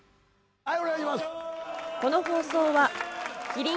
はい？